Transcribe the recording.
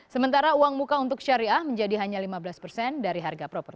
sementara uang muka untuk syariah menjadi hanya lima belas persen dari harga proper